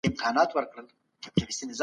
ښه اخلاق د انسان روغتیا ښه کوي.